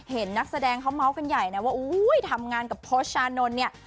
เห็นนักแสดงเค้าเมาส์กันใหญ่นะว่าทำงานกับพศอานนท์เนี่ย